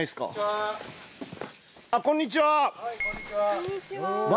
はいこんにちは！